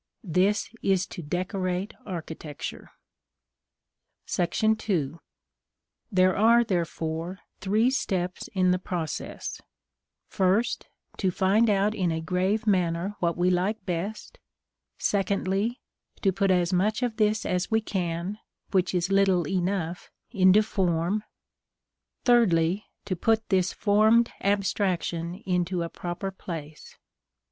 This is to decorate architecture. § II. There are, therefore, three steps in the process: first, to find out in a grave manner what we like best; secondly, to put as much of this as we can (which is little enough) into form; thirdly, to put this formed abstraction into a proper place.